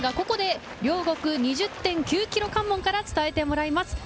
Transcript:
ここで両国２０．９ｋｍ関門から伝えてもらいます。